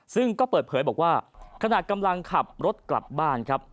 ซึ่งก็เปิดเผยบอกว่าขณะกำลังขับรถกลับบ้านครับ